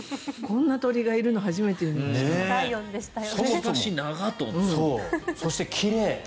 こんな鳥がいるの初めて見ました。